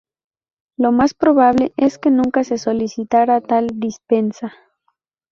Lo más probable es que nunca se solicitara tal dispensa.